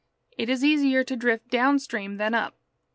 It is easier to drift downstream than up.